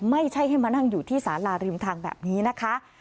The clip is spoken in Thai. ไม่ใช่ให้มานั่งอยู่ที่สาราริมทางแบบนี้นะคะ